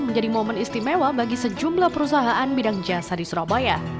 menjadi momen istimewa bagi sejumlah perusahaan bidang jasa di surabaya